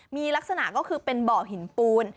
มีลักษณะก็คือเป็นบ่อหินปูน